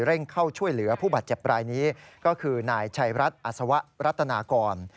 เข้าช่วยเหลือผู้บาดเจ็บรายนี้ก็คือนายชัยรัฐอัศวะรัตนากร